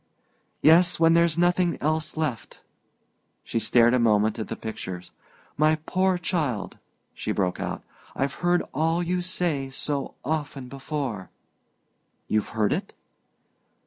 "Yes; when there's nothing else left." She stared a moment at the pictures. "My poor child," she broke out, "I've heard all you say so often before!" "You've heard it?"